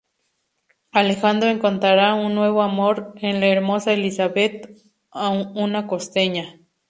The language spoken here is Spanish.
Alejandro encontrará un nuevo amor en la hermosa Elizabeth, una costeña.